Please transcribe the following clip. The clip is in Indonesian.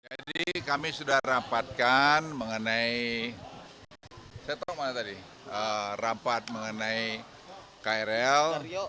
jadi kami sudah rapatkan mengenai saya tahu mana tadi rapat mengenai krl